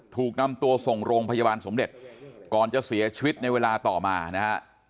ถูกนำตัวส่งโรงพยาบาลสมเด็จก่อนจะเสียชีวิตในเวลาต่อมานะฮะ